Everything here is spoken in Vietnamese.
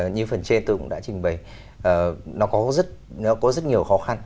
như phần trên tôi cũng đã trình bày nó có rất nhiều khó khăn